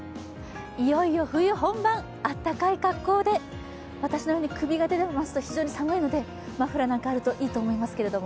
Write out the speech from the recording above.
いよいよ冬本番、あったかい格好で私のように首が出ていますと寒いのでマフラーなどがあるといいと思いますけども。